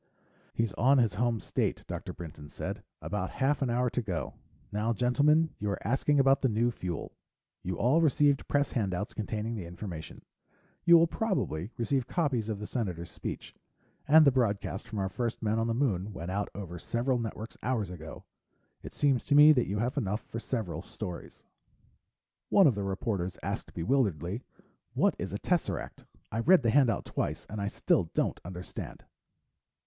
"He's on his home state," Dr. Brinton said. "About half an hour to go. Now, gentlemen, you were asking about the new fuel. You all received press handouts containing the information. You will probably receive copies of the Senator's speech. And the broadcast from our first men on the Moon went out over several networks hours ago. It seems to me that you have enough for several stories." One of the reporters asked bewilderedly, "What is a tesseract? I read the handout twice and I still don't understand."